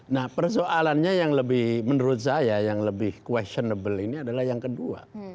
nah persoalannya yang lebih menurut saya yang lebih questionnable ini adalah yang kedua